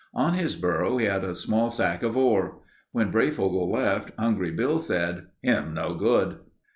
On his burro he had a small sack of ore. When Breyfogle left, Hungry Bill said, "Him no good."